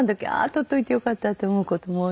取っといてよかったって思う事も多いので。